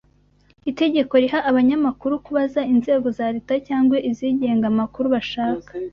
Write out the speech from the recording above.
itegeko riha abanyamakuru kubaza inzego za Leta cyangwa izigenga amakuru bashaka